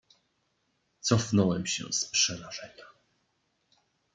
"Cofnąłem się z przerażenia."